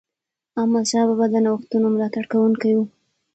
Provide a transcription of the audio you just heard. احمدشاه بابا د نوښتونو ملاتړ کوونکی و.